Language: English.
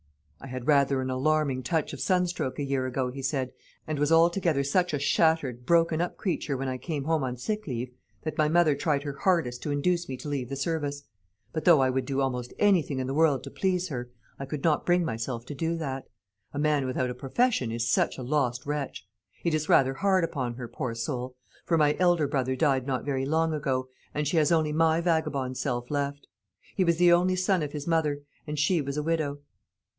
"I had rather an alarming touch of sunstroke a year ago," he said, "and was altogether such a shattered broken up creature when I came home on sick leave, that my mother tried her hardest to induce me to leave the service; but though I would do almost anything in the world to please her, I could not bring myself to do that; a man without a profession is such a lost wretch. It is rather hard upon her, poor soul; for my elder brother died not very long ago, and she has only my vagabond self left. 'He was the only son of his mother, and she was a widow.'"